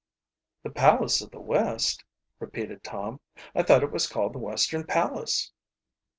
"The Palace of the West?" repeated Tom. "I thought it was called the Western Palace."